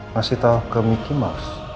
masih tau ke mickey mouse